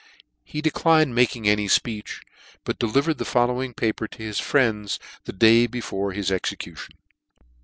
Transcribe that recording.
He declined making any fpeech, but delivered the following paper to his friends the day before his execution.